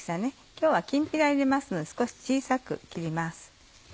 今日はきんぴら入れますので少し小さく切ります。